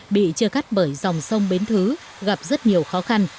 bị chia cắt bởi dòng sông bến thứ gặp rất nhiều khó khăn